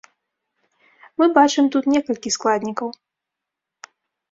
Мы бачым тут некалькі складнікаў.